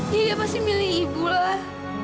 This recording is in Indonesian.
jadi dia pasti milih ibu lah